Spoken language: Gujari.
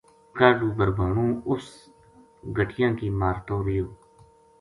کاہڈو بھربھانو اس گَٹیاں کی مارتو ریہیو